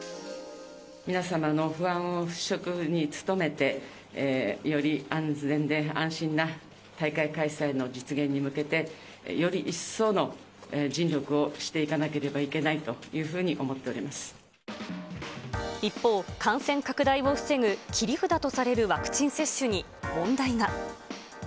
皆様の不安を払拭に努めて、より安全で安心な大会開催の実現に向けて、より一層の尽力をしていかなければいけないというふうに思ってお一方、感染拡大を防ぐ切り札とされるワクチン接種に問題が。